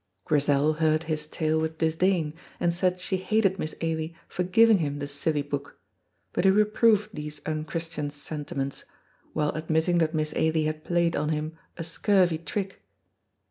Grizel heard his tale with disdain, and said she hated Miss Ailie for giving him the silly book, but he reproved these unchristian sentiments, while admitting that Miss Ailie had played on him a scurvy trick.